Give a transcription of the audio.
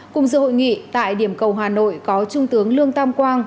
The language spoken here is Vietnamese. cùng dự hội nghị tại điểm cầu hà nội có trung tướng lương tam quang